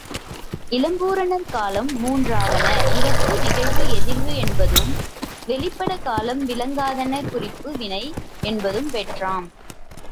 இளம்பூரணர் காலம் மூன்றாவன இறப்பு, நிகழ்வு, எதிர்வு என்பதூஉம், வெளிப்படக் காலம் விளங்காதன குறிப்பு வினை என்பதூஉம் பெற்றாம்.